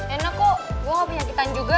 enak kok gue gak punya nyakitan juga